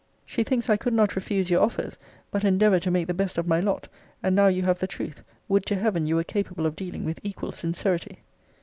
She thinks I could not refuse your offers; but endeavour to make the best of my lot. And now you have the truth. Would to heaven you were capable of dealing with equal sincerity!